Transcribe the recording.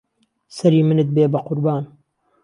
سەری منت بێ به قوربان